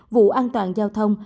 vụ an toàn giao thông